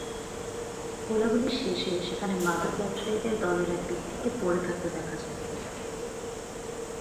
গোলাগুলি শেষে সেখানে মাদক ব্যবসায়ীদের দলের এক ব্যক্তিকে পড়ে থাকতে দেখা যায়।